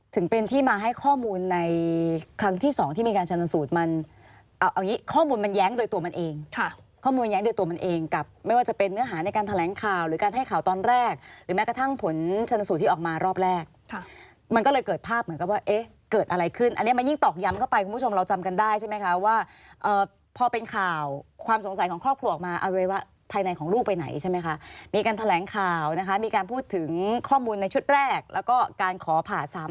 ถึงเป็นที่มาให้ข้อมูลในครั้งที่สองที่มีการชนสูตรมันข้อมูลมันแย้งโดยตัวมันเองข้อมูลแย้งโดยตัวมันเองกับไม่ว่าจะเป็นเนื้อหาในการแถลงข่าวหรือการให้ข่าวตอนแรกหรือแม้กระทั่งผลชนสูตรที่ออกมารอบแรกมันก็เลยเกิดภาพเหมือนกับว่าเกิดอะไรขึ้นอันนี้มันยิ่งตอกย้ำเข้าไปคุณผ